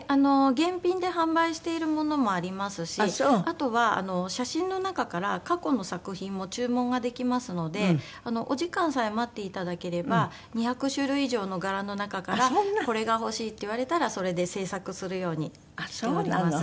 現品で販売しているものもありますしあとは写真の中から過去の作品も注文ができますのでお時間さえ待っていただければ２００種類以上の柄の中からこれが欲しいって言われたらそれで制作するようにしております。